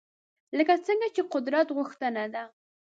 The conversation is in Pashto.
لکه څنګه چې قدرت غوښتنه ده